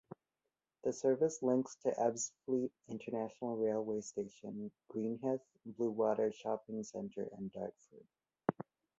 The service links to Ebbsfleet International railway station, Greenhithe, Bluewater Shopping Centre and Dartford.